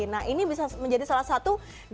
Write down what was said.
nah ini bisa menjadi salah satu